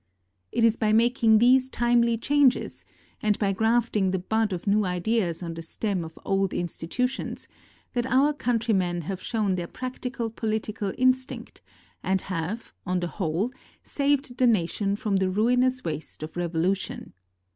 It is by making these timely changes, and by grafting the bud of new ideas on the stem of old institutions, that our countrymen have shown their practical political instinct, and have, on the whole, saved the nation from the ruinous waste of revolution.